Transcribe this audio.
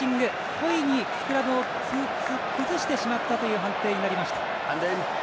故意にスクラムを崩してしまったという判定になりました。